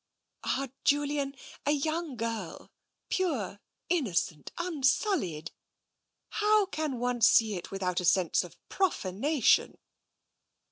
'' "Ah, Julian — a young girl, pure, innocent, un sullied! How could one see it, without a sense of profanation?